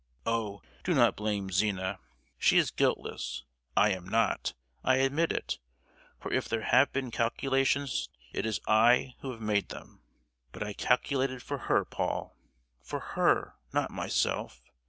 Oh! do not blame Zina. She is guiltless. I am not—I admit it; for if there have been calculations it is I who have made them! But I calculated for her, Paul; for her, not myself!